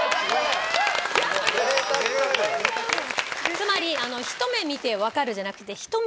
つまりひと目見てわかるじゃなくて。